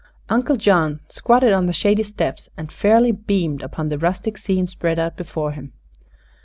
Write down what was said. Uncle John squatted on the shady steps and fairly beamed upon the rustic scene spread out before him.